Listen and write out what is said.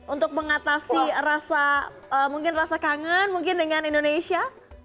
untuk mengatasi rasa mungkin rasa kangen mungkin dengan indonesia